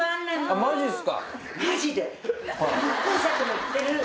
マジっすか。